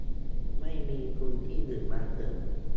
ไม่มีทุนที่อื่นมาเสริม